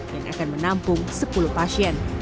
yang akan menampung sepuluh pasien